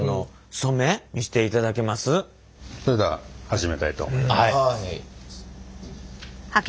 それでは始めたいと思います。